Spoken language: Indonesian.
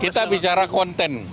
kita bicara konten